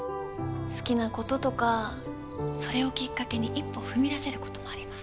好きなこととかそれをきっかけに一歩踏み出せることもあります。